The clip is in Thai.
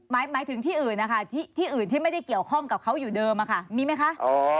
หมายถึงที่อื่นนะคะที่อื่นที่ไม่ได้เกี่ยวข้องกับเขาอยู่เดิมอะค่ะมีไหมคะ